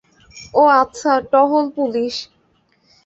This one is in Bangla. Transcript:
ও আচ্ছা, টহল পুলিশ।